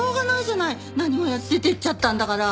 何も言わず出ていっちゃったんだから。